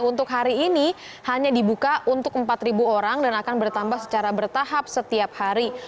untuk hari ini hanya dibuka untuk empat orang dan akan bertambah secara bertahap setiap hari